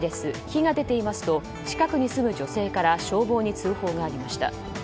火が出ていますと近くに住む女性から消防に通報がありました。